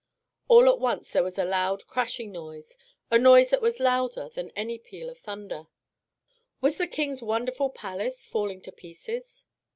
All at once there was a loud crashing noise, a noise that was louder than any peal of thunder. Was the King's wonderful palace falling to pieces?